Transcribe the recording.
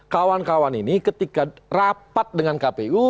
kawan kawan ini ketika rapat dengan kpu